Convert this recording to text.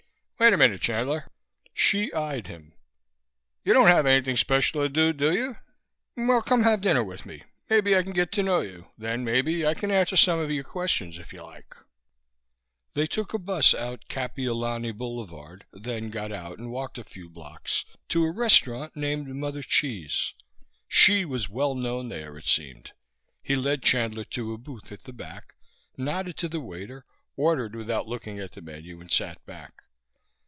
"Wait a minute, Chandler." Hsi eyed him. "You don't have anything special to do, do you? Well, come have dinner with me. Maybe I can get to know you. Then maybe I can answer some of your questions, if you like." They took a bus out Kapiolani Boulevard, then got out and walked a few blocks to a restaurant named Mother Chee's. Hsi was well known there, it seemed. He led Chandler to a booth at the back, nodded to the waiter, ordered without looking at the menu and sat back.